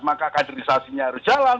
maka kaderisasinya harus jalan